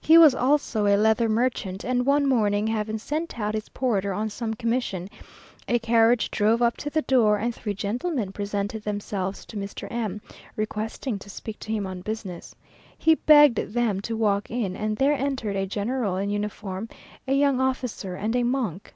He was also a leather merchant, and one morning having sent out his porter on some commission, a carriage drove up to the door, and three gentlemen presented themselves to Mr. M , requesting to speak to him on business. He begged them to walk in, and there entered a general in uniform, a young officer, and a monk.